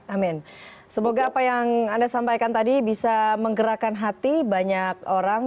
amin semoga apa yang anda sampaikan tadi bisa menggerakkan hati banyak orang